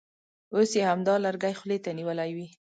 اوس یې همدا لرګی خولې ته نیولی وي.